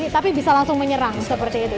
tapi bisa langsung menyerang seperti itu